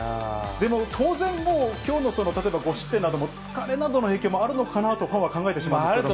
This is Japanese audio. でも、当然もう、きょうの例えば５失点なども、疲れなどの影響もあるのかなと、ファンは考えてしまうんですけれども。